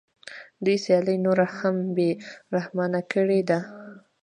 دوی سیالي نوره هم بې رحمانه کړې ده